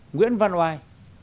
nguyễn văn oai